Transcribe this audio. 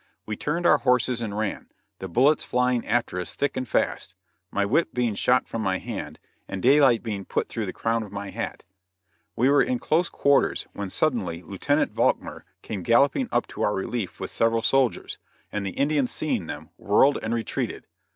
We turned our horses and ran, the bullets flying after us thick and fast my whip being shot from my hand and daylight being put through the crown of my hat. We were in close quarters, when suddenly Lieutenant Valkmar came galloping up to our relief with several soldiers, and the Indians seeing them whirled and retreated.